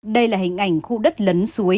đây là hình ảnh khu đất lấn suối